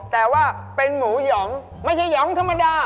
แต่ว่าเป็นหมูหยองไม่ใช่หยองธรรมดา